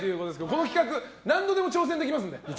この企画何度でも挑戦できますので。